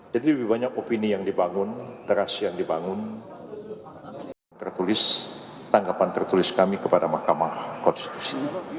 jadi lebih banyak opini yang dibangun terasi yang dibangun tanggapan tertulis kami kepada mahkamah konstitusi